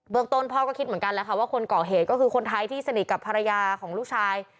เบื้องต้นพ่อก็คิดเหมือนกันว่าคนเกาะเหตุก็คือคนไทยที่สนิทกับภรรยาของลูกชาย